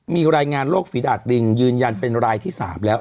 มีรายงานโรคฝีดาดลิงยืนยันเป็นรายที่๓แล้ว